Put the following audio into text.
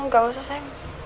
gak usah sayang